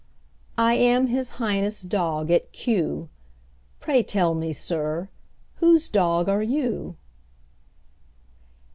I am His Highness' dog at Kew; Pray tell me, sir, whose dog are you?